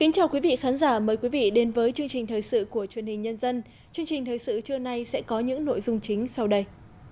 chương trình thời sự trưa này sẽ có những nội dung chính sau đây